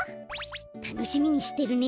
たのしみにしてるね。